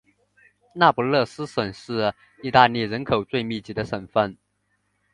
那不勒斯省是意大利人口最密集的省份。